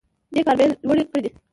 دې کار بیې لوړې کړي دي.